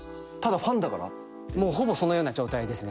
もうほぼそのような状態ですね。